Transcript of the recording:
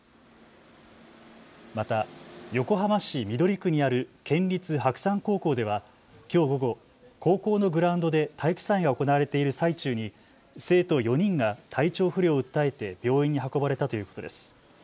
また横浜市緑区にある県立白山高校ではきょう午後、高校のグラウンドで体育祭が行われている最中に生徒４人が体調不良を訴えて病院に運ばれたということです。